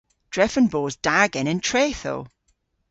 Drefen bos da genen trethow.